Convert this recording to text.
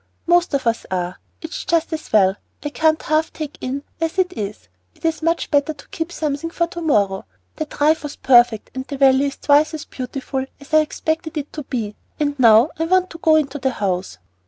"Most of us are. It's just as well. I can't half take it in as it is. It is much better to keep something for to morrow. The drive was perfect, and the Valley is twice as beautiful as I expected it to be. And now I want to go into the house."